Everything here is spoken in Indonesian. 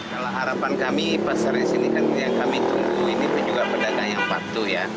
kalau harapan kami pasar di sini kan yang kami tunggu ini juga pedagang yang patuh ya